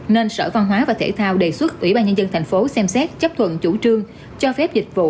nên sở văn hóa và thể thao đề xuất ubnd tp hcm xem xét chấp thuận chủ trương cho phép dịch vụ